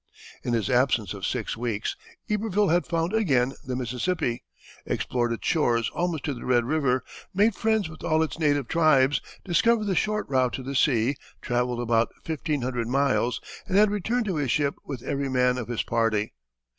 In his absence of six weeks Iberville had found again the Mississippi, explored its shores almost to the Red River, made friends with all its native tribes, discovered the short route to the sea, travelled about fifteen hundred miles, and had returned to his ship with every man of his party.